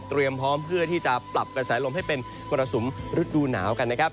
พร้อมเพื่อที่จะปรับกระแสลมให้เป็นมรสุมฤดูหนาวกันนะครับ